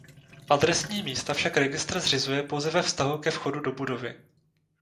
Adresní místa však registr zřizuje pouze ve vztahu ke vchodu do budovy.